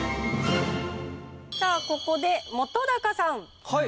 さあここで本さん。